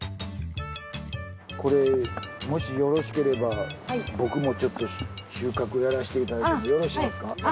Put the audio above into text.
これもしよろしければ僕もちょっと収穫やらしていただいてもよろしいですか？